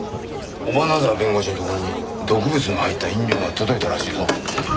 尾花沢弁護士のところに毒物の入った飲料が届いたらしいぞ。